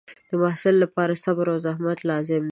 د محصل لپاره صبر او زحمت لازم دی.